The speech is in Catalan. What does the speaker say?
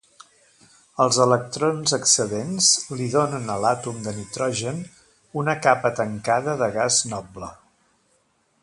Els electrons excedents li donen a l'àtom de nitrogen una capa tancada de gas noble.